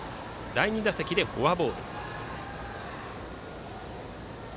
第２打席でフォアボール。